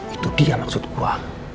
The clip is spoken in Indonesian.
itu dia maksud gua